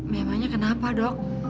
memangnya kenapa dok